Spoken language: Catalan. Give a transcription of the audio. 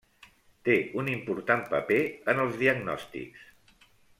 Té un important paper en els diagnòstics.